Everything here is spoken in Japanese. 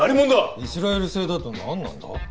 イスラエル製だと何なんだ？